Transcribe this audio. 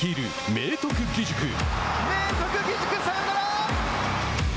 明徳義塾、サヨナラ。